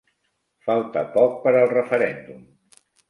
Falta poc per al referèndum